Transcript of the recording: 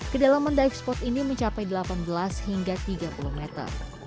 kedalaman dive spot ini mencapai delapan belas hingga tiga puluh meter